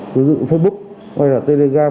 ví dụ facebook hay là telegram